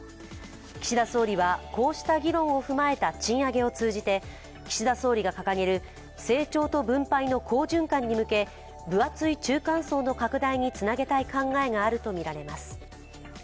岸田総理は、こうした議論を踏まえた賃上げを通じて岸田総理が掲げる成長と分配の好循環に向け分厚い中間層の拡大につなげたい考えがあるとみられます。